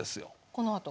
このあと？